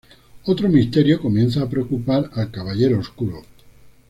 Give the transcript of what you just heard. Otro misterio comienza a preocupar al Caballero Oscuro.